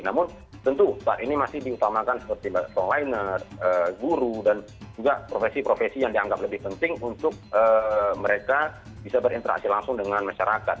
namun tentu saat ini masih diutamakan seperti online guru dan juga profesi profesi yang dianggap lebih penting untuk mereka bisa berinteraksi langsung dengan masyarakat